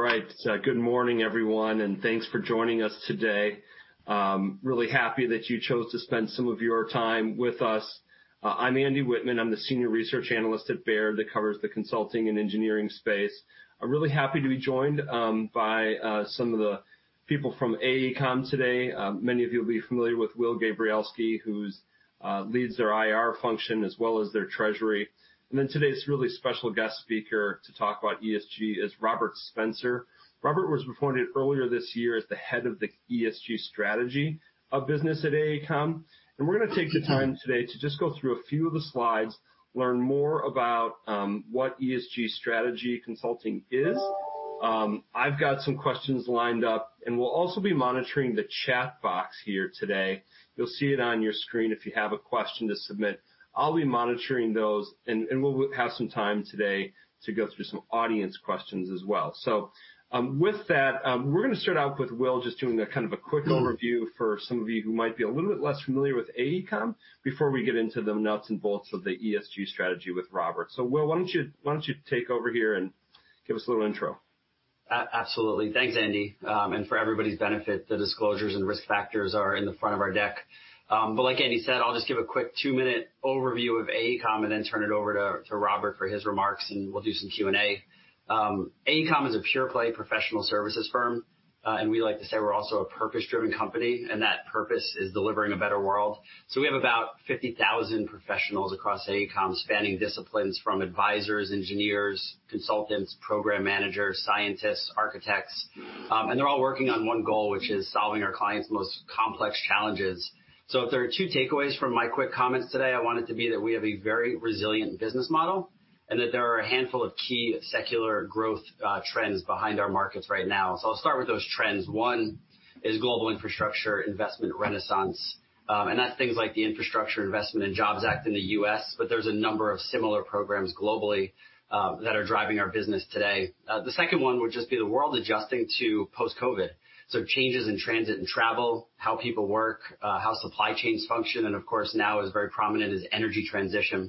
All right. Good morning, everyone, and thanks for joining us today. Really happy that you chose to spend some of your time with us. I'm Andrew Wittmann. I'm the Senior Research Analyst at Baird that covers the consulting and engineering space. I'm really happy to be joined by some of the people from AECOM today. Many of you will be familiar with Will Gabrielski, who leads their IR function as well as their treasury. Then today's really special guest speaker to talk about ESG is Robert Spencer. Robert was appointed earlier this year as the head of the ESG strategy of business at AECOM. We're gonna take the time today to just go through a few of the slides, learn more about what ESG strategy consulting is. I've got some questions lined up, and we'll also be monitoring the chat box here today. You'll see it on your screen if you have a question to submit. I'll be monitoring those, and we'll have some time today to go through some audience questions as well. With that, we're gonna start out with Will just doing a kind of a quick overview for some of you who might be a little bit less familiar with AECOM before we get into the nuts and bolts of the ESG strategy with Robert. Will, why don't you take over here and give us a little intro? Absolutely. Thanks, Andy. For everybody's benefit, the disclosures and risk factors are in the front of our deck. Like Andy said, I'll just give a quick two-minute overview of AECOM and then turn it over to Robert for his remarks, and we'll do some Q&A. AECOM is a pure-play professional services firm, and we like to say we're also a purpose-driven company, and that purpose is delivering a better world. We have about 50,000 professionals across AECOM, spanning disciplines from advisors, engineers, consultants, program managers, scientists, architects, and they're all working on one goal, which is solving our clients' most complex challenges. If there are two takeaways from my quick comments today, I want it to be that we have a very resilient business model and that there are a handful of key secular growth trends behind our markets right now. I'll start with those trends. One is global infrastructure investment renaissance, and that's things like the Infrastructure Investment and Jobs Act in the U.S., but there's a number of similar programs globally that are driving our business today. The second one would just be the world adjusting to post-COVID, so changes in transit and travel, how people work, how supply chains function, and of course, now very prominent is energy transition.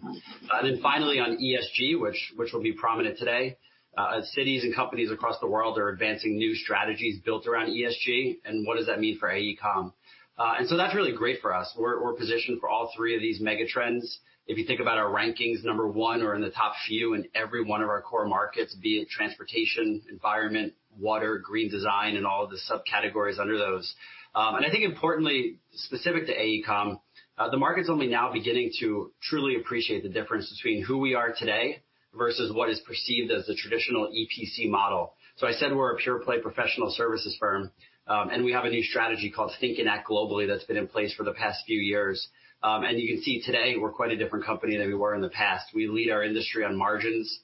Finally on ESG, which will be prominent today, cities and companies across the world are advancing new strategies built around ESG, and what does that mean for AECOM? That's really great for us. We're positioned for all three of these mega trends. If you think about our rankings, number one or in the top few in every one of our core markets, be it transportation, environment, water, green design, and all of the subcategories under those. I think importantly specific to AECOM, the market's only now beginning to truly appreciate the difference between who we are today versus what is perceived as the traditional EPC model. I said we're a pure play professional services firm, and we have a new strategy called Think and Act Globally that's been in place for the past few years. You can see today we're quite a different company than we were in the past, we lead our industry on margins,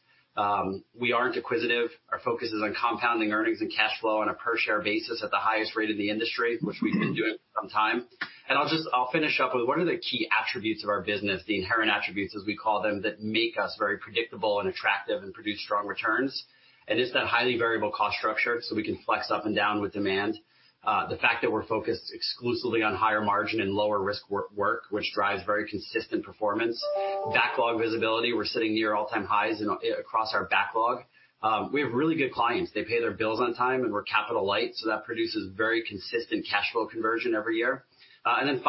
we aren't acquisitive. Our focus is on compounding earnings and cash flow on a per share basis at the highest rate in the industry, which we've been doing for some time. I'll finish up with what are the key attributes of our business, the inherent attributes, as we call them, that make us very predictable and attractive and produce strong returns. It's that highly variable cost structure, so we can flex up and down with demand. The fact that we're focused exclusively on higher margin and lower risk work, which drives very consistent performance. Backlog visibility, we're sitting near all-time highs across our backlog. We have really good clients. They pay their bills on time, and we're capital light, so that produces very consistent cash flow conversion every year. In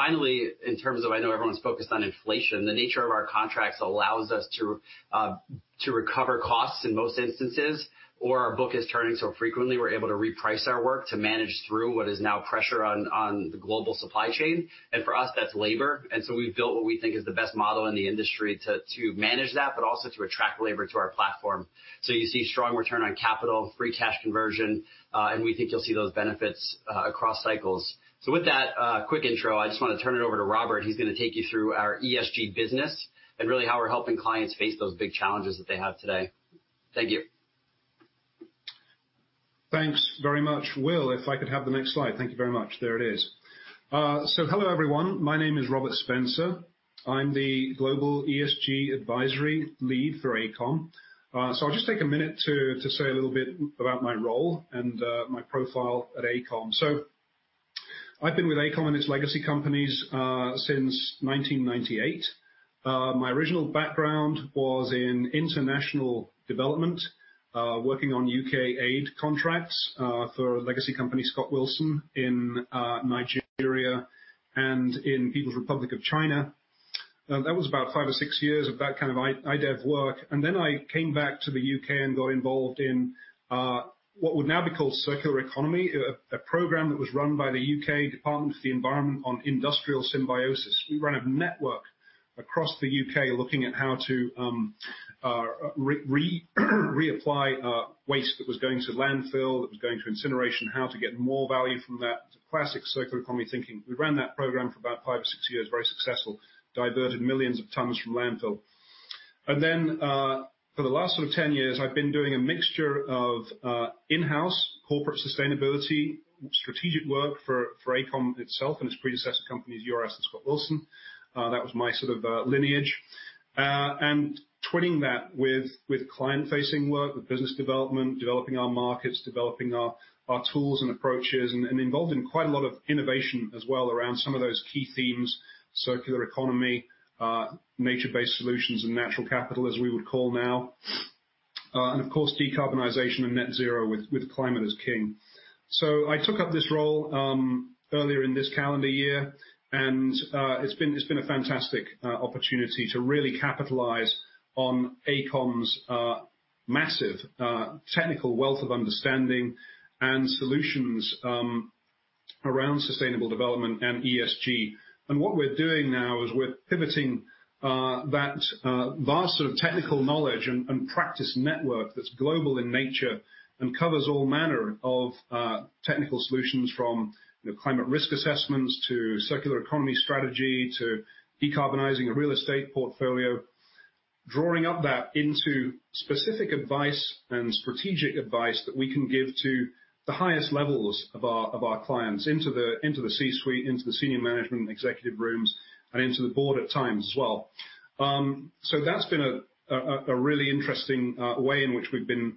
terms of, I know everyone's focused on inflation, the nature of our contracts allows us to recover costs in most instances, or our book is turning so frequently we're able to reprice our work to manage through what is now pressure on the global supply chain. For us, that's labor. We've built what we think is the best model in the industry to manage that, but also to attract labor to our platform. You see strong return on capital, free cash conversion, and we think you'll see those benefits across cycles. With that quick intro, I just wanna turn it over to Robert. He's gonna take you through our ESG business and really how we're helping clients face those big challenges that they have today. Thank you. Thanks very much, Will. If I could have the next slide. Thank you very much. There it is. Hello, everyone. My name is Robert Spencer. I'm the global ESG advisory lead for AECOM. I'll just take a minute to say a little bit about my role and my profile at AECOM. I've been with AECOM and its legacy companies since 1998. My original background was in international development, working on U.K. aid contracts for a legacy company, Scott Wilson, in Nigeria and in People's Republic of China. That was about five or six years of that kind of IDEV work. I came back to the U.K. and got involved in what would now be called circular economy, a program that was run by the U.K. Department for the Environment on Industrial Symbiosis. We ran a network across the U.K. looking at how to reapply waste that was going to landfill, that was going to incineration, how to get more value from that classic circular economy thinking. We ran that program for about five or six years, very successful, diverted millions of tons from landfill. Then, for the last sort of 10 years, I've been doing a mixture of in-house corporate sustainability, strategic work for AECOM itself and its predecessor companies, URS and Scott Wilson. That was my sort of lineage. Twinning that with client-facing work, with business development, developing our markets, developing our tools and approaches, and involved in quite a lot of innovation as well around some of those key themes, circular economy, nature-based solutions, and natural capital, as we would call now. Of course, decarbonization and net zero with climate as king. I took up this role earlier in this calendar year, and it's been a fantastic opportunity to really capitalize on AECOM's massive technical wealth of understanding and solutions around sustainable development and ESG. What we're doing now is we're pivoting that vast sort of technical knowledge and practice network that's global in nature and covers all manner of technical solutions from, you know, climate risk assessments to circular economy strategy to decarbonizing a real estate portfolio. Drawing that up into specific advice and strategic advice that we can give to the highest levels of our clients into the C-suite, into the senior management executive rooms and into the board at times as well. That's been a really interesting way in which we've been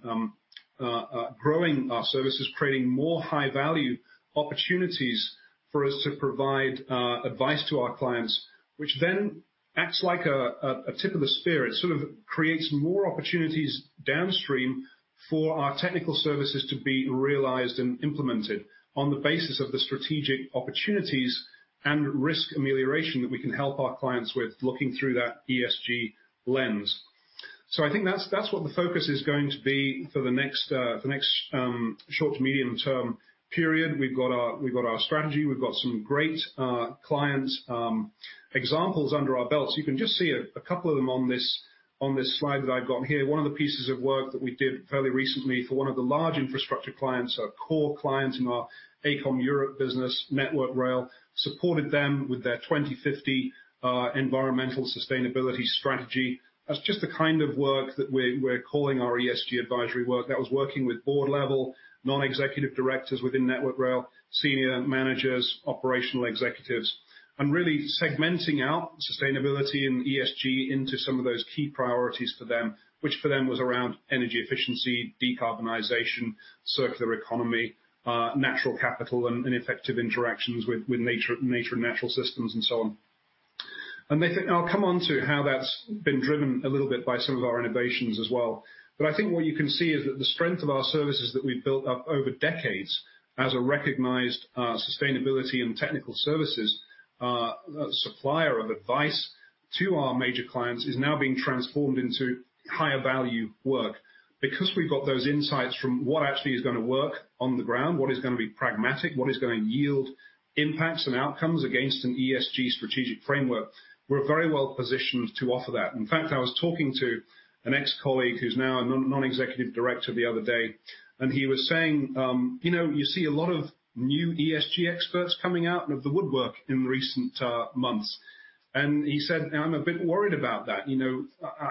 growing our services, creating more high-value opportunities for us to provide advice to our clients, which then acts like a tip of the spear. It sort of creates more opportunities downstream for our technical services to be realized and implemented on the basis of the strategic opportunities and risk amelioration that we can help our clients with looking through that ESG lens. I think that's what the focus is going to be for the next short to medium-term period. We've got our strategy. We've got some great client examples under our belt. You can just see a couple of them on this slide that I've got here. One of the pieces of work that we did fairly recently for one of the large infrastructure clients, a core client in our AECOM Europe business, Network Rail, supported them with their 2050 environmental sustainability strategy. That's just the kind of work that we're calling our ESG advisory work. That was working with board-level non-executive directors within Network Rail, senior managers, operational executives, and really segmenting out sustainability and ESG into some of those key priorities for them, which for them was around energy efficiency, decarbonization, circular economy, natural capital, and effective interactions with nature and natural systems and so on. They think I'll come on to how that's been driven a little bit by some of our innovations as well. I think what you can see is that the strength of our services that we've built up over decades as a recognized sustainability and technical services supplier of advice to our major clients is now being transformed into higher value work. Because we've got those insights from what actually is gonna work on the ground, what is gonna be pragmatic, what is gonna yield impacts and outcomes against an ESG strategic framework, we're very well positioned to offer that. In fact, I was talking to an ex-colleague who's now a non-executive director the other day, and he was saying, you know, "You see a lot of new ESG experts coming out of the woodwork in recent months." He said, "I'm a bit worried about that. You know,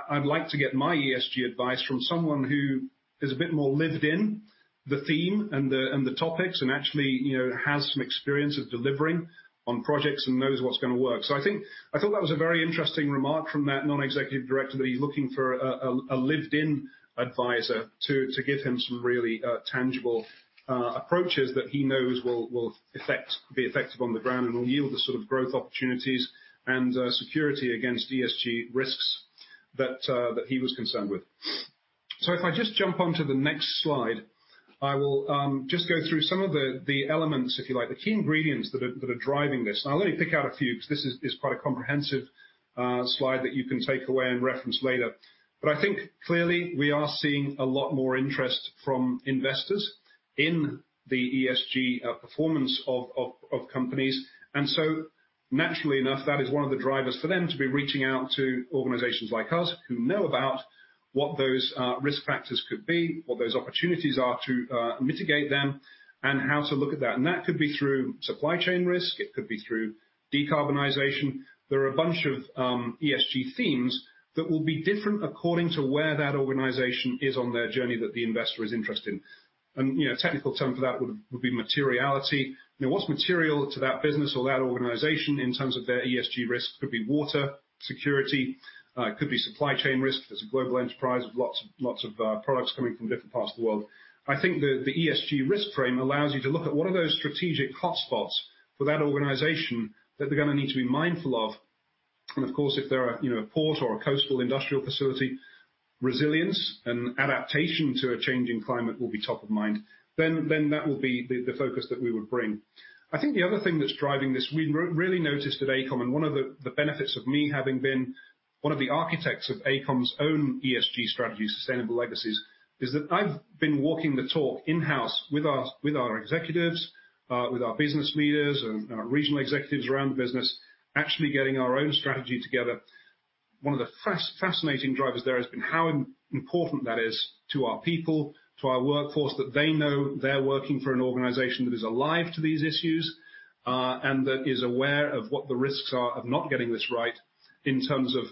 I'd like to get my ESG advice from someone who is a bit more lived in the theme and the topics and actually, you know, has some experience of delivering on projects and knows what's gonna work. I thought that was a very interesting remark from that non-executive director that he's looking for a lived-in advisor to give him some really tangible approaches that he knows will be effective on the ground and will yield the sort of growth opportunities and security against ESG risks that he was concerned with. If I just jump onto the next slide, I will just go through some of the elements, if you like, the key ingredients that are driving this. I'll only pick out a few because this is quite a comprehensive slide that you can take away and reference later. I think clearly we are seeing a lot more interest from investors in the ESG performance of companies. Naturally enough, that is one of the drivers for them to be reaching out to organizations like us who know about what those risk factors could be, what those opportunities are to mitigate them, and how to look at that. That could be through supply chain risk. It could be through decarbonization. There are a bunch of ESG themes that will be different according to where that organization is on their journey that the investor is interested in. You know, a technical term for that would be materiality. You know, what's material to that business or that organization in terms of their ESG risk? Could be water security, could be supply chain risk. There's a global enterprise with lots of products coming from different parts of the world. I think the ESG risk frame allows you to look at what are those strategic hotspots for that organization that they're gonna need to be mindful of. Of course, if they're a, you know, a port or a coastal industrial facility, resilience and adaptation to a changing climate will be top of mind. That will be the focus that we would bring. I think the other thing that's driving this, we really noticed at AECOM, and one of the benefits of me having been one of the architects of AECOM's own ESG strategy, Sustainable Legacies, is that I've been walking the talk in-house with our executives, with our business leaders and our regional executives around the business, actually getting our own strategy together. One of the fascinating drivers there has been how important that is to our people, to our workforce, that they know they're working for an organization that is alive to these issues, and that is aware of what the risks are of not getting this right in terms of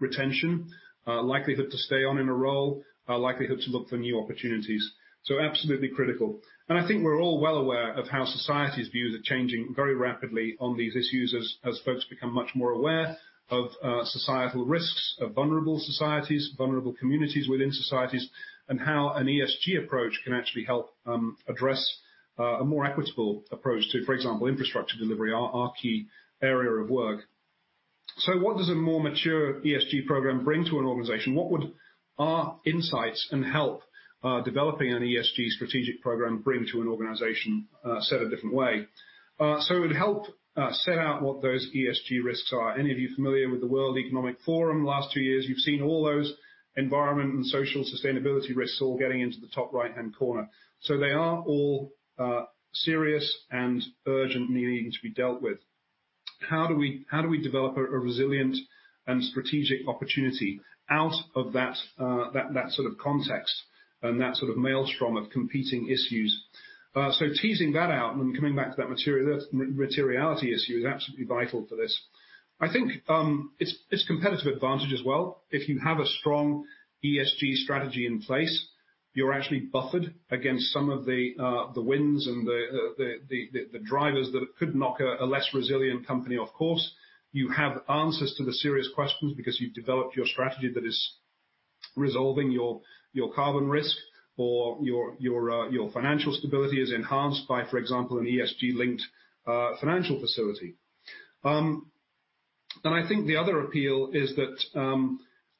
retention, likelihood to stay on in a role, likelihood to look for new opportunities. Absolutely critical. I think we're all well aware of how society's views are changing very rapidly on these issues as folks become much more aware of societal risks, of vulnerable societies, vulnerable communities within societies, and how an ESG approach can actually help address a more equitable approach to, for example, infrastructure delivery, our key area of work. What does a more mature ESG program bring to an organization? What would our insights and help developing an ESG strategic program bring to an organization, set a different way? It would help set out what those ESG risks are. Any of you familiar with the World Economic Forum the last two years, you've seen all those environmental and social sustainability risks all getting into the top right-hand corner. They are all serious and urgent, needing to be dealt with. How do we develop a resilient and strategic opportunity out of that sort of context and that sort of maelstrom of competing issues? Teasing that out and coming back to that materiality issue is absolutely vital for this. I think, it's competitive advantage as well. If you have a strong ESG strategy in place, you're actually buffered against some of the winds and the drivers that could knock a less resilient company off course. You have answers to the serious questions because you've developed your strategy that is resolving your carbon risk or your financial stability is enhanced by for example, an ESG-linked financial facility. I think the other appeal is that,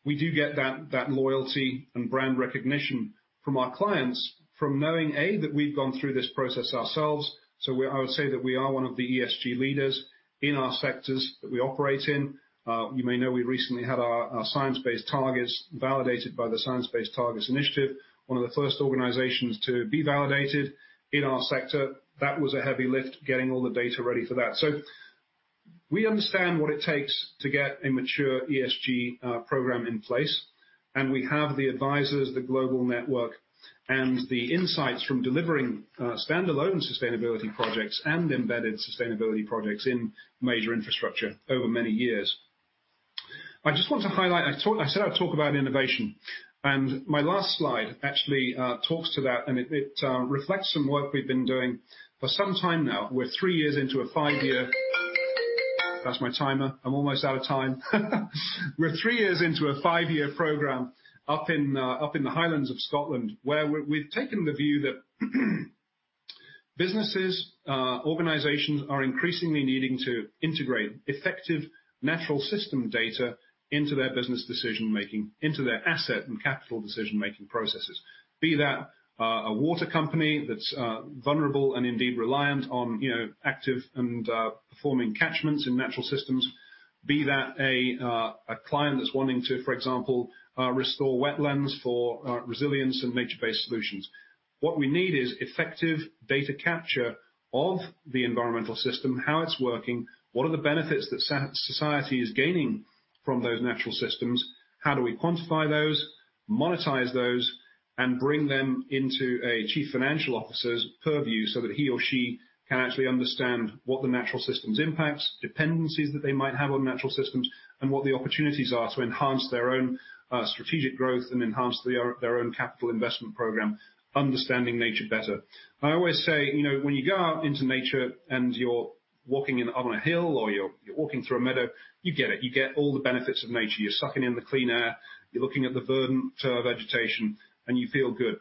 we do get that loyalty and brand recognition from our clients from knowing. A, that we've gone through this process ourselves, so we're I would say that we are one of the ESG leaders in our sectors that we operate in. You may know we recently had our science-based targets validated by the Science Based Targets initiative, one of the first organizations to be validated in our sector. That was a heavy lift, getting all the data ready for that. We understand what it takes to get a mature ESG program in place, and we have the advisors, the global network, and the insights from delivering standalone sustainability projects and embedded sustainability projects in major infrastructure over many years. I just want to highlight. I said I'd talk about innovation, and my last slide actually talks to that, and it reflects some work we've been doing for some time now. That's my timer. I'm almost out of time. We're three years into a five year program up in the Highlands of Scotland, where we've taken the view that businesses, organizations are increasingly needing to integrate effective natural system data into their business decision-making, into their asset and capital decision-making processes. Be that a water company that's vulnerable and indeed reliant on, you know, active and performing catchments in natural systems. Be that a client that's wanting to, for example, restore wetlands for resilience and nature-based solutions. What we need is effective data capture of the environmental system, how it's working, what are the benefits that society is gaining from those natural systems, how do we quantify those, monetize those, and bring them into a chief financial officer's purview so that he or she can actually understand what the natural systems impacts, dependencies that they might have on natural systems, and what the opportunities are to enhance their own strategic growth and enhance their own capital investment program, understanding nature better. I always say, you know, when you go out into nature and you're walking on a hill or you're walking through a meadow, you get it. You get all the benefits of nature. You're sucking in the clean air, you're looking at the verdant vegetation, and you feel good.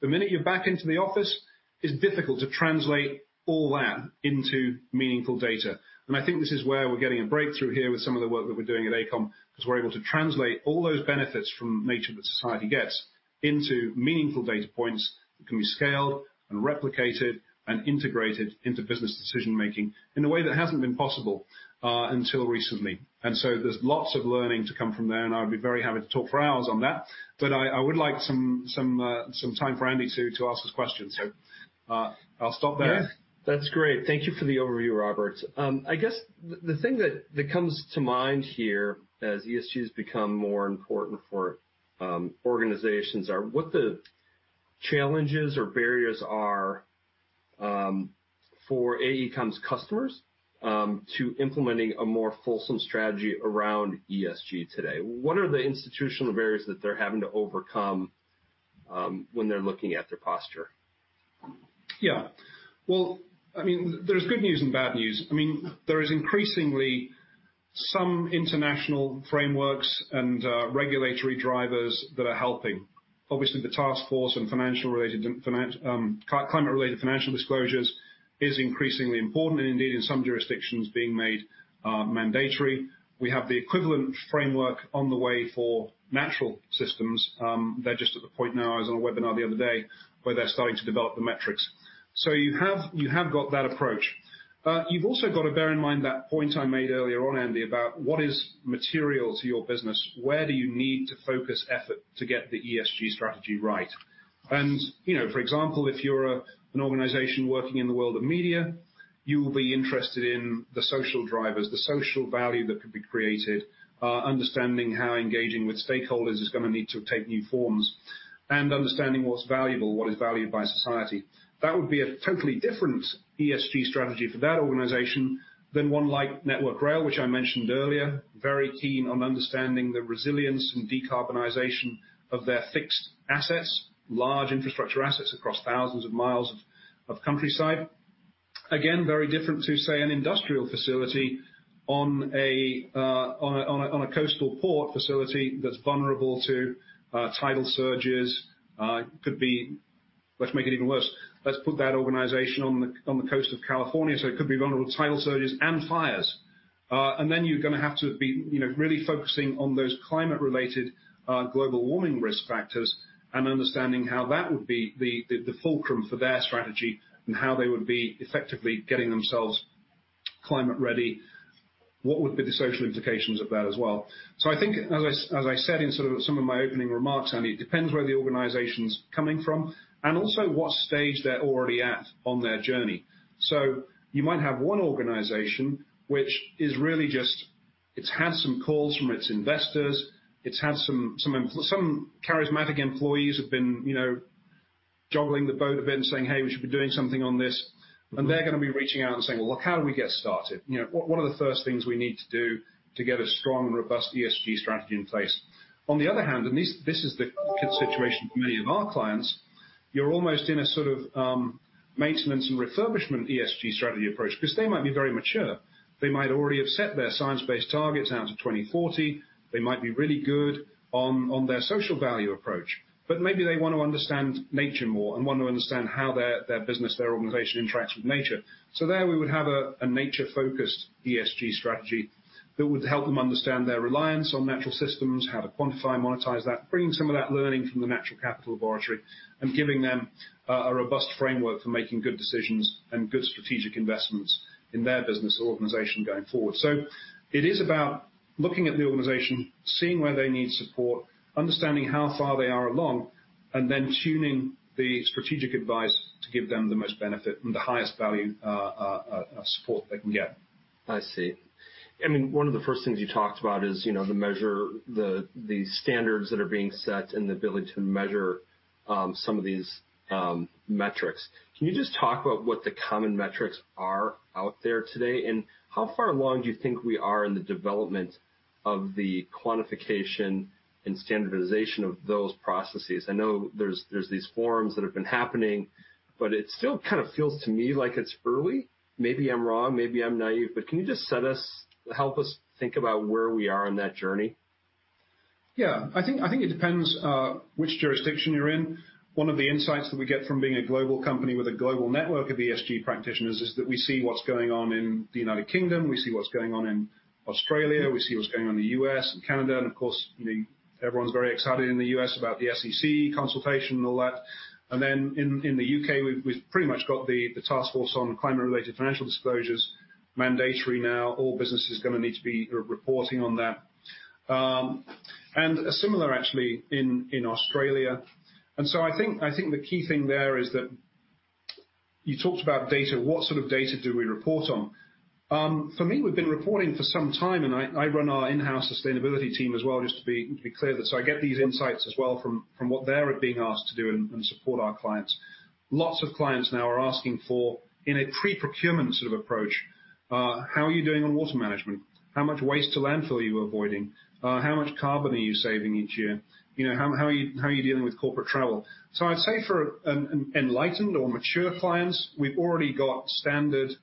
The minute you're back into the office, it's difficult to translate all that into meaningful data. I think this is where we're getting a breakthrough here with some of the work that we're doing at AECOM, 'cause we're able to translate all those benefits from nature that society gets into meaningful data points that can be scaled and replicated and integrated into business decision-making in a way that hasn't been possible until recently. There's lots of learning to come from there, and I would be very happy to talk for hours on that. I would like some time for Andy to ask his questions. I'll stop there. Yeah. That's great. Thank you for the overview, Robert. I guess the thing that comes to mind here as ESGs become more important for organizations are what the challenges or barriers are for AECOM's customers to implementing a more fulsome strategy around ESG today. What are the institutional barriers that they're having to overcome when they're looking at their posture? Yeah. Well, I mean, there's good news and bad news. I mean, there is increasingly some international frameworks and regulatory drivers that are helping. Obviously, the Task Force on Climate-related Financial Disclosures is increasingly important and indeed in some jurisdictions being made mandatory. We have the equivalent framework on the way for natural systems. They're just at the point now. I was on a webinar the other day where they're starting to develop the metrics. So you have got that approach. You've also got to bear in mind that point I made earlier on, Andy, about what is material to your business? Where do you need to focus effort to get the ESG strategy right? You know, for example, if you're an organization working in the world of media, you will be interested in the social drivers, the social value that could be created, understanding how engaging with stakeholders is gonna need to take new forms, and understanding what's valuable, what is valued by society. That would be a totally different ESG strategy for that organization than one like Network Rail, which I mentioned earlier. Very keen on understanding the resilience and decarbonization of their fixed assets, large infrastructure assets across thousands of miles of countryside. Again, very different to, say, an industrial facility on a coastal port facility that's vulnerable to tidal surges. Let's make it even worse. Let's put that organization on the coast of California, so it could be vulnerable to tidal surges and fires. You're gonna have to be, you know, really focusing on those climate-related global warming risk factors and understanding how that would be the fulcrum for their strategy and how they would be effectively getting themselves climate ready. What would be the social implications of that as well? I think, as I said in sort of some of my opening remarks, Andy, it depends where the organization's coming from and also what stage they're already at on their journey. You might have one organization which is really just it's had some calls from its investors. It's had some charismatic employees have been, you know, rocking the boat a bit and saying, "Hey, we should be doing something on this." They're gonna be reaching out and saying, "Well, look, how do we get started?" You know, what are the first things we need to do to get a strong and robust ESG strategy in place? On the other hand, this is the situation for many of our clients. You're almost in a sort of maintenance and refurbishment ESG strategy approach because they might be very mature. They might already have set their science-based targets out to 2040. They might be really good on their social value approach. But maybe they want to understand nature more and want to understand how their business, their organization interacts with nature. There we would have a nature-focused ESG strategy that would help them understand their reliance on natural systems, how to quantify and monetize that, bringing some of that learning from the Natural Capital Laboratory and giving them a robust framework for making good decisions and good strategic investments in their business organization going forward. It is about looking at the organization, seeing where they need support, understanding how far they are along, and then tuning the strategic advice to give them the most benefit and the highest value, support they can get. I see. I mean, one of the first things you talked about is, you know, the measure, the standards that are being set and the ability to measure some of these metrics. Can you just talk about what the common metrics are out there today, and how far along do you think we are in the development of the quantification and standardization of those processes? I know there's these forums that have been happening, but it still kind of feels to me like it's early. Maybe I'm wrong, maybe I'm naive, but can you just help us think about where we are on that journey? Yeah. I think it depends which jurisdiction you're in. One of the insights that we get from being a global company with a global network of ESG practitioners is that we see what's going on in the United Kingdom, we see what's going on in Australia, we see what's going on in the U.S. and Canada, and of course, you know, everyone's very excited in the U.S. about the SEC consultation and all that. In the U.K., we've pretty much got the Task Force on Climate-related Financial Disclosures mandatory now. All businesses are gonna need to be reporting on that. Similar actually in Australia. I think the key thing there is that you talked about data, what sort of data do we report on? For me, we've been reporting for some time, and I run our in-house sustainability team as well, just to be clear, so I get these insights as well from what they're being asked to do and support our clients. Lots of clients now are asking for, in a pre-procurement sort of approach, "How are you doing on water management? How much waste to landfill are you avoiding? How much carbon are you saving each year?" You know, "how are you dealing with corporate travel?" I'd say for enlightened or mature clients, we've already got standard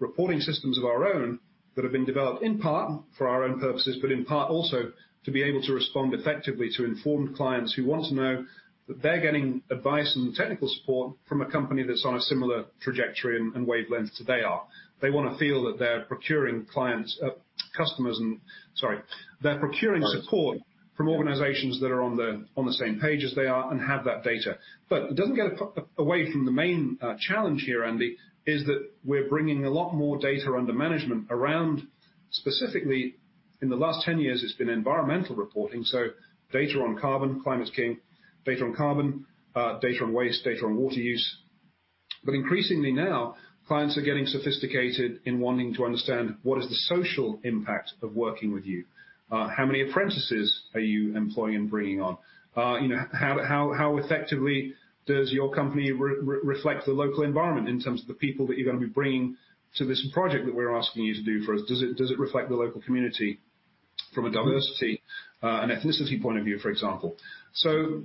reporting systems of our own that have been developed in part for our own purposes, but in part also to be able to respond effectively to informed clients who want to know that they're getting advice and technical support from a company that's on a similar trajectory and wavelength to theirs. They wanna feel that they're procuring. Sorry. Support from organizations that are on the same page as they are and have that data. It doesn't get away from the main challenge here, Andy, is that we're bringing a lot more data under management around specifically in the last 10 years. It's been environmental reporting, so data on carbon, climate is king, data on carbon, data on waste, data on water use. Increasingly now, clients are getting sophisticated in wanting to understand what is the social impact of working with you. How many apprentices are you employing and bringing on? You know, how effectively does your company reflect the local environment in terms of the people that you're gonna be bringing to this project that we're asking you to do for us? Does it reflect the local community from a diversity and ethnicity point of view, for example?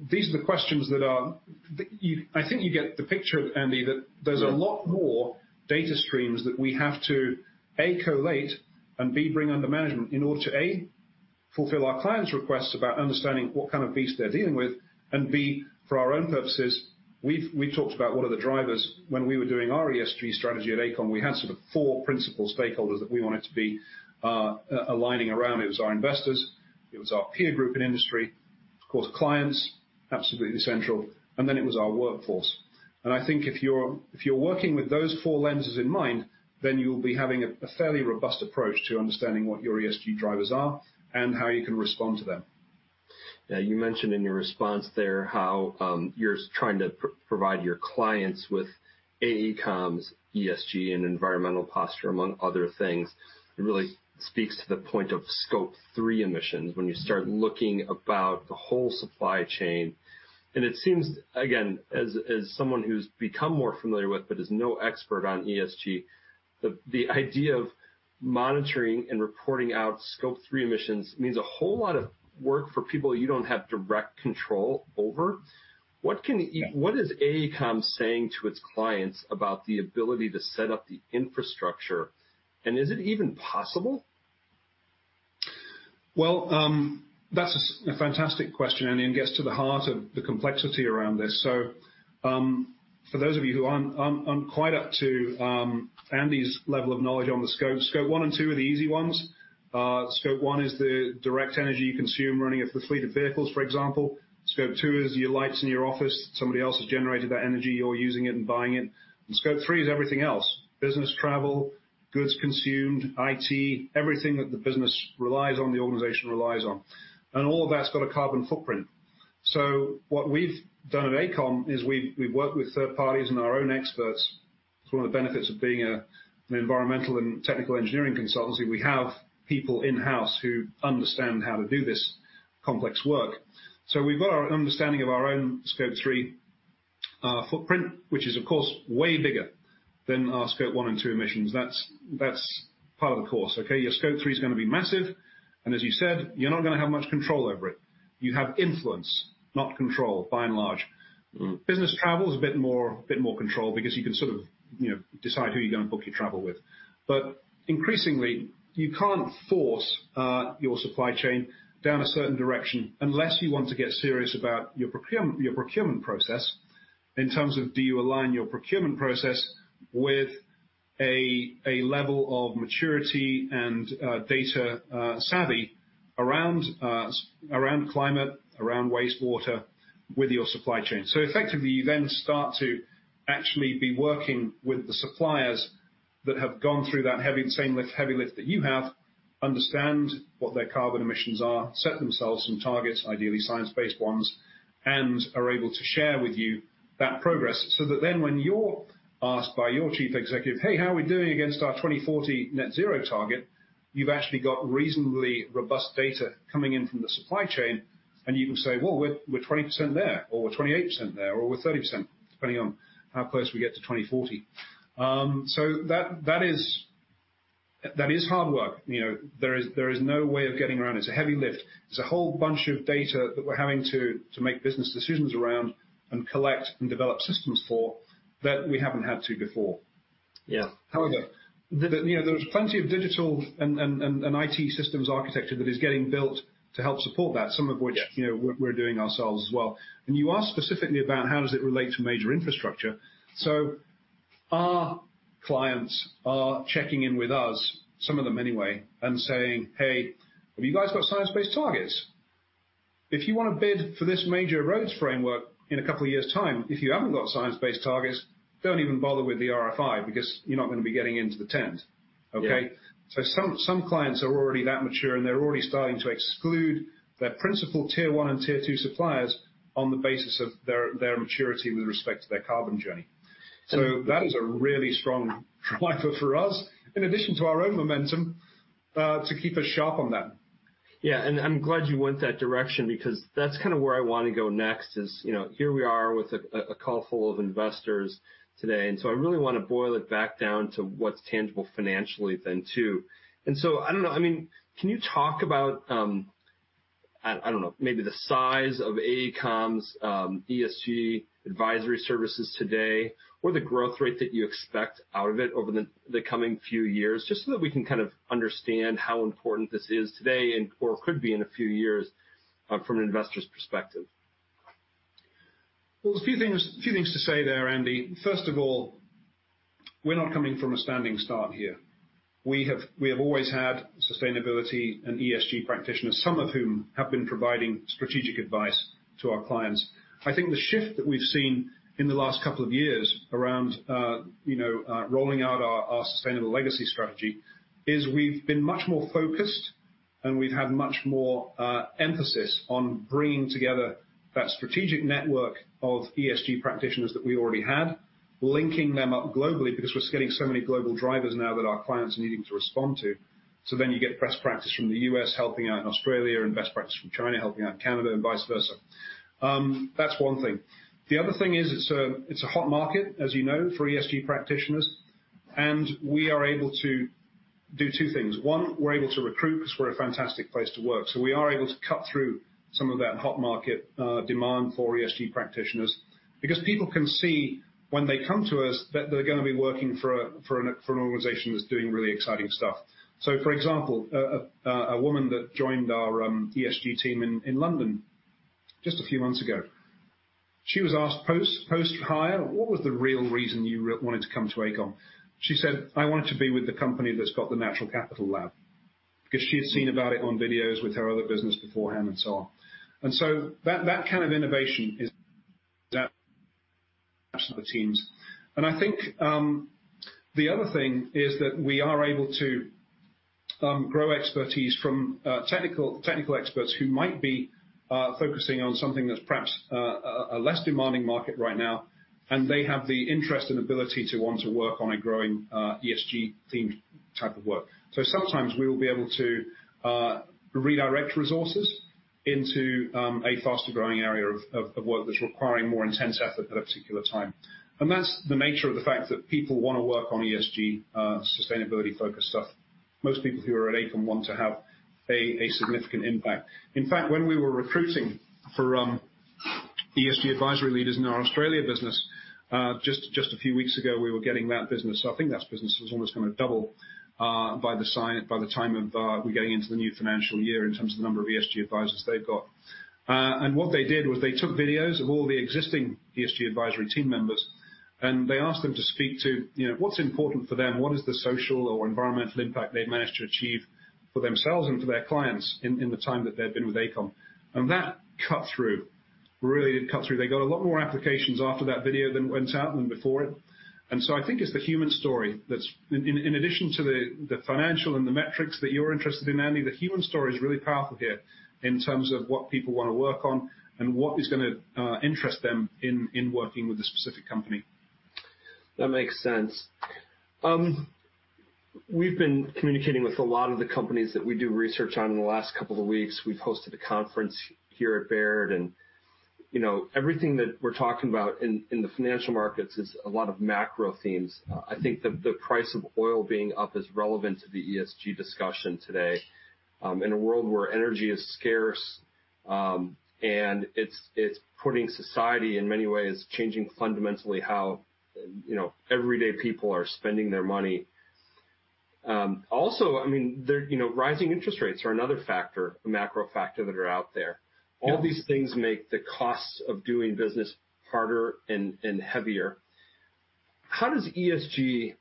These are the questions that I think you get the picture, Andy, that there's a lot more data streams that we have to, A, collate, and B, bring under management in order to A, fulfill our clients' requests about understanding what kind of beast they're dealing with, and B, for our own purposes. We've talked about what are the drivers. When we were doing our ESG strategy at AECOM, we had sort of four principal stakeholders that we wanted to be aligning around. It was our investors, it was our peer group in industry, of course, clients, absolutely essential, and then it was our workforce. I think if you're working with those four lenses in mind, then you'll be having a fairly robust approach to understanding what your ESG drivers are and how you can respond to them. Yeah. You mentioned in your response there how you're trying to provide your clients with AECOM's ESG and environmental posture, among other things. It really speaks to the point of Scope 3 emissions when you start looking about the whole supply chain. It seems, again, as someone who's become more familiar with, but is no expert on ESG, the idea of monitoring and reporting out Scope 3 emissions means a whole lot of work for people you don't have direct control over. What can- Yeah. What is AECOM saying to its clients about the ability to set up the infrastructure, and is it even possible? Well, that's a fantastic question, Andy, and gets to the heart of the complexity around this. For those of you who aren't quite up to Andy's level of knowledge on the scopes, Scope 1 and 2 are the easy ones. Scope 1 is the direct energy you consume running the fleet of vehicles, for example. Scope 2 is your lights in your office. Somebody else has generated that energy, you're using it and buying it. Scope 3 is everything else, business travel, goods consumed, IT, everything that the business relies on, the organization relies on. All of that's got a carbon footprint. What we've done at AECOM is we've worked with third parties and our own experts. It's one of the benefits of being an environmental and technical engineering consultancy. We have people in-house who understand how to do this complex work. We've got our understanding of our own Scope 3 footprint, which is of course way bigger than our Scope 1 and 2 emissions. That's part of the course, okay? Your Scope 3 is gonna be massive, and as you said, you're not gonna have much control over it. You have influence, not control, by and large. Mm-hmm. Business travel is a bit more control because you can sort of, you know, decide who you're gonna book your travel with. Increasingly, you can't force your supply chain down a certain direction unless you want to get serious about your procurement process in terms of do you align your procurement process with a level of maturity and data savvy around climate, around wastewater with your supply chain. Effectively, you then start to actually be working with the suppliers that have gone through that heavy lift that you have, understand what their carbon emissions are, set themselves some targets, ideally science-based ones, and are able to share with you that progress. When you're asked by your chief executive, "Hey, how are we doing against our 2040 net zero target?" You've actually got reasonably robust data coming in from the supply chain, and you can say, "Well, we're 20% there" or "We're 28% there" or "We're 30%" depending on how close we get to 2040. That is hard work. You know, there is no way of getting around it. It's a heavy lift. There's a whole bunch of data that we're having to make business decisions around and collect and develop systems for that we haven't had to before. Yeah. However, you know, there's plenty of digital and IT systems architecture that is getting built to help support that, some of which Yeah. You know, we're doing ourselves as well. You asked specifically about how does it relate to major infrastructure. Our clients are checking in with us, some of them anyway, and saying, "Hey, have you guys got science-based targets? If you wanna bid for this major roads framework in a couple of years' time, if you haven't got science-based targets, don't even bother with the RFI because you're not gonna be getting into the tent." Okay? Yeah. Some clients are already that mature, and they're already starting to exclude their principal tier one and tier two suppliers on the basis of their maturity with respect to their carbon journey. That is a really strong driver for us, in addition to our own momentum, to keep us sharp on that. Yeah. I'm glad you went that direction because that's kinda where I wanna go next is, you know, here we are with a call full of investors today, and so I really wanna boil it back down to what's tangible financially then too. I don't know. I mean, can you talk about, I don't know, maybe the size of AECOM's ESG advisory services today or the growth rate that you expect out of it over the coming few years, just so that we can kind of understand how important this is today and/or could be in a few years, from an investor's perspective. Well, there's a few things to say there, Andy. First of all, we're not coming from a standing start here. We have always had sustainability and ESG practitioners, some of whom have been providing strategic advice to our clients. I think the shift that we've seen in the last couple of years around rolling out our Sustainable Legacies strategy is we've been much more focused, and we've had much more emphasis on bringing together that strategic network of ESG practitioners that we already had, linking them up globally because we're getting so many global drivers now that our clients are needing to respond to. You get best practice from the U.S. helping out in Australia and best practice from China helping out in Canada and vice versa. That's one thing. The other thing is it's a hot market, as you know, for ESG practitioners, and we are able to do two things. One, we're able to recruit 'cause we're a fantastic place to work. We are able to cut through some of that hot market demand for ESG practitioners because people can see when they come to us that they're gonna be working for an organization that's doing really exciting stuff. For example, a woman that joined our ESG team in London just a few months ago, she was asked post-hire, "What was the real reason you wanted to come to AECOM?" She said, "I wanted to be with the company that's got the Natural Capital Lab." Because she had seen about it on videos with her other business beforehand and so on. That kind of innovation is the teams. I think the other thing is that we are able to grow expertise from technical experts who might be focusing on something that's perhaps a less demanding market right now, and they have the interest and ability to want to work on a growing ESG-themed type of work. Sometimes we will be able to redirect resources into a faster-growing area of work that's requiring more intense effort at a particular time. That's the nature of the fact that people wanna work on ESG sustainability-focused stuff. Most people who are at AECOM want to have a significant impact. In fact, when we were recruiting for ESG advisory leaders in our Australia business just a few weeks ago, we were getting that business. I think that business has almost kinda doubled by the time of we're getting into the new financial year in terms of the number of ESG advisors they've got. What they did was they took videos of all the existing ESG advisory team members, and they asked them to speak to, you know, what's important for them, what is the social or environmental impact they've managed to achieve for themselves and for their clients in the time that they've been with AECOM. That cut through. Really, it cut through. They got a lot more applications after that video than went out than before it. I think it's the human story that's. In addition to the financial and the metrics that you're interested in, Andy, the human story is really powerful here in terms of what people wanna work on and what is gonna interest them in working with a specific company. That makes sense. We've been communicating with a lot of the companies that we do research on in the last couple of weeks. We've hosted a conference here at Baird, and, you know, everything that we're talking about in the financial markets is a lot of macro themes. I think the price of oil being up is relevant to the ESG discussion today, in a world where energy is scarce, and it's putting society in many ways changing fundamentally how, you know, everyday people are spending their money. Also, I mean, you know, rising interest rates are another factor, a macro factor that are out there. Yeah. All these things make the costs of doing business harder and heavier. How does ESG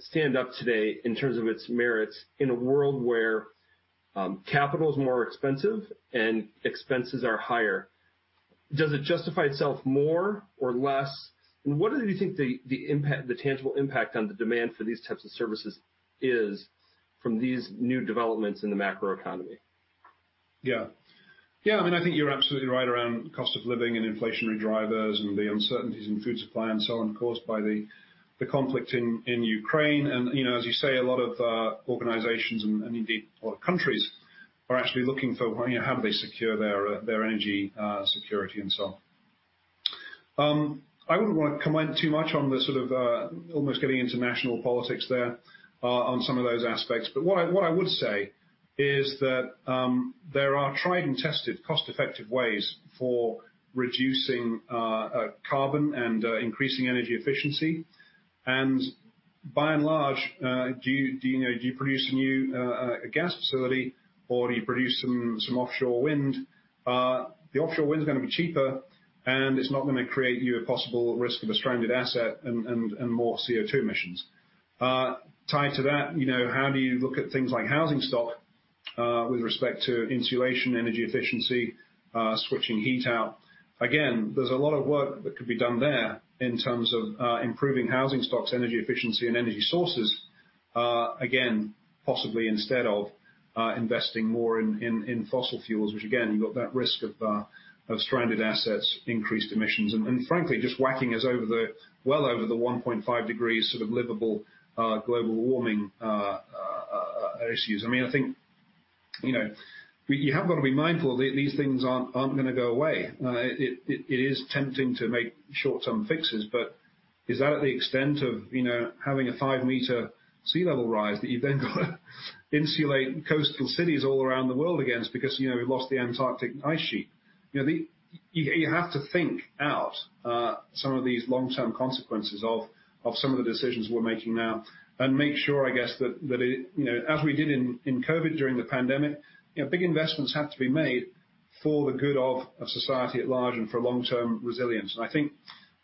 stand up today in terms of its merits in a world where capital is more expensive and expenses are higher? Does it justify itself more or less? What do you think the impact, the tangible impact on the demand for these types of services is from these new developments in the macroeconomy? Yeah. Yeah, I mean, I think you're absolutely right around cost of living and inflationary drivers and the uncertainties in food supply and so on, caused by the conflict in Ukraine. You know, as you say, a lot of organizations and indeed whole countries are actually looking for how they secure their energy security and so on. I wouldn't wanna comment too much on the sort of almost getting into national politics there on some of those aspects, but what I would say is that there are tried and tested cost-effective ways for reducing carbon and increasing energy efficiency. By and large, you know, do you produce a new gas facility or do you produce some offshore wind? The offshore wind's gonna be cheaper, and it's not gonna create you a possible risk of a stranded asset and more CO2 emissions. Tied to that, you know, how do you look at things like housing stock with respect to insulation, energy efficiency, switching heat out? Again, there's a lot of work that could be done there in terms of improving housing stocks, energy efficiency and energy sources, again, possibly instead of investing more in fossil fuels, which again, you've got that risk of stranded assets, increased emissions. And frankly, just whacking us over the well over the 1.5 degree sort of livable global warming issues. I mean, I think, you know, you have got to be mindful these things aren't gonna go away. It is tempting to make short-term fixes, but is that at the extent of, you know, having a five meter sea level rise that you've then gotta insulate coastal cities all around the world against because, you know, we've lost the Antarctic ice sheet? You have to think out some of these long-term consequences of some of the decisions we're making now and make sure, I guess, that, you know, as we did in COVID during the pandemic, you know, big investments had to be made for the good of a society at large and for long-term resilience. I think,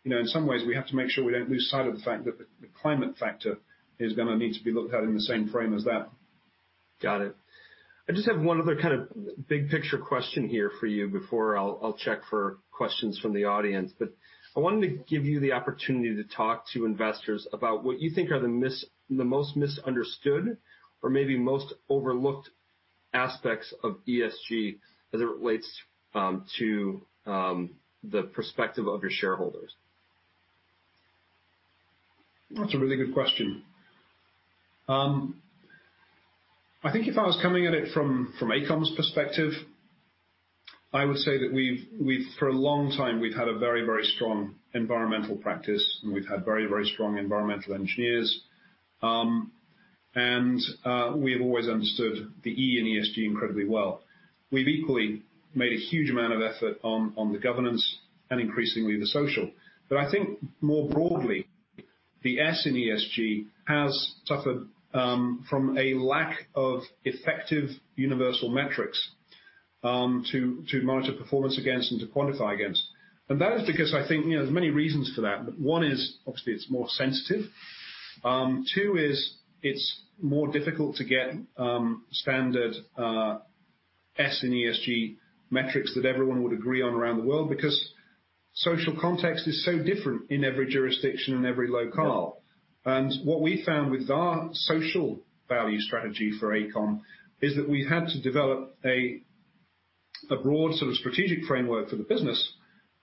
you know, in some ways, we have to make sure we don't lose sight of the fact that the climate factor is gonna need to be looked at in the same frame as that. Got it. I just have one other kind of big picture question here for you before I'll check for questions from the audience. I wanted to give you the opportunity to talk to investors about what you think are the most misunderstood or maybe most overlooked aspects of ESG as it relates to the perspective of your shareholders. That's a really good question. I think if I was coming at it from AECOM's perspective, I would say that we've for a long time, we've had a very, very strong environmental practice, and we've had very, very strong environmental engineers. We have always understood the E in ESG incredibly well. We've equally made a huge amount of effort on the governance and increasingly the social. I think more broadly, the S in ESG has suffered from a lack of effective universal metrics to monitor performance against and to quantify against. That is because I think, you know, there's many reasons for that. One is obviously it's more sensitive. Two, it's more difficult to get standard S in ESG metrics that everyone would agree on around the world because social context is so different in every jurisdiction and every locale. What we found with our social value strategy for AECOM is that we've had to develop a broad sort of strategic framework for the business,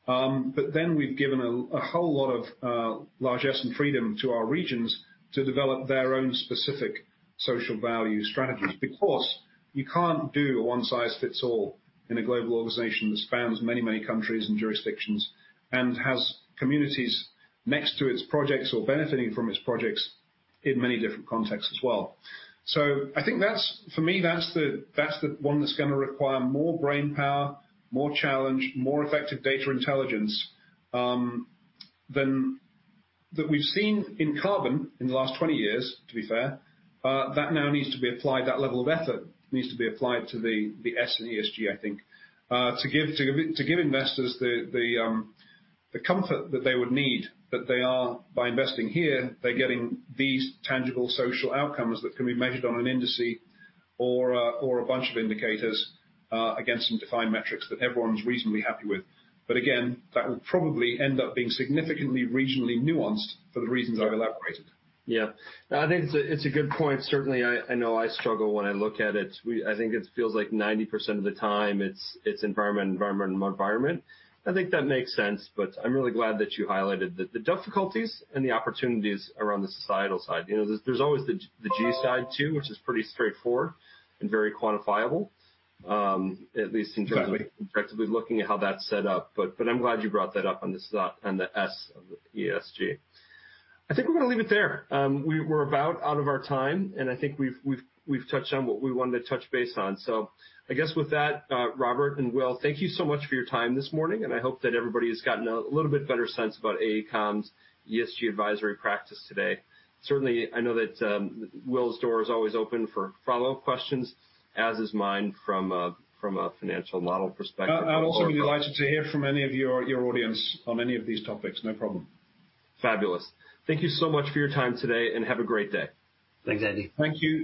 but then we've given a whole lot of largesse and freedom to our regions to develop their own specific social value strategies. Because you can't do a one-size-fits-all in a global organization that spans many, many countries and jurisdictions and has communities next to its projects or benefiting from its projects in many different contexts as well. I think that's, for me, the one that's gonna require more brainpower, more challenge, more effective data intelligence than. that we've seen in carbon in the last 20 years, to be fair, that now needs to be applied, that level of effort needs to be applied to the S in ESG, I think, to give investors the comfort that they would need that they are, by investing here, they're getting these tangible social outcomes that can be measured on an indices or a bunch of indicators against some defined metrics that everyone's reasonably happy with. Again, that will probably end up being significantly regionally nuanced for the reasons I've elaborated. Yeah. No, I think it's a good point. Certainly, I know I struggle when I look at it. I think it feels like 90% of the time it's environment and environment. I think that makes sense, but I'm really glad that you highlighted the difficulties and the opportunities around the societal side. You know, there's always the G side too, which is pretty straightforward and very quantifiable, at least in terms of. Exactly. effectively looking at how that's set up. I'm glad you brought that up on the S of the ESG. I think we're gonna leave it there. We're about out of our time, and I think we've touched on what we wanted to touch base on. I guess with that, Robert and Will, thank you so much for your time this morning, and I hope that everybody has gotten a little bit better sense about AECOM's ESG advisory practice today. Certainly, I know that Will's door is always open for follow-up questions, as is mine from a financial model perspective. I'd also be delighted to hear from any of your audience on any of these topics. No problem. Fabulous. Thank you so much for your time today, and have a great day. Thanks, Andy. Thank you.